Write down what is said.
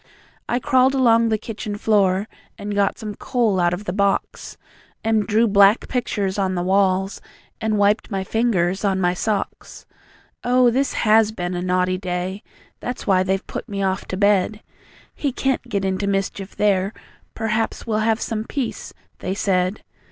I crawled along the kitchen floor, And got some coal out of the box, And drew black pictures on the walls, And wiped my fingers on my socks. Oh, this HAS been a naughty day! That's why they've put me off to bed. "He CAN'T get into mischief there, Perhaps we'll have some peace," they said.